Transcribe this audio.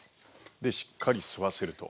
でしっかり吸わせると。